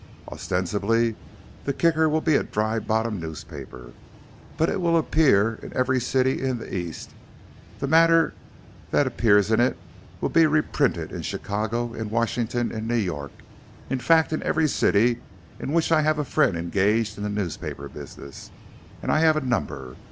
Ostensibly the Kicker will be a Dry Bottom newspaper, but it will appear in every city in the East; the matter that appears in it will be reprinted in Chicago, in Washington, in New York in fact in every city in which I have a friend engaged in the newspaper business and I have a number.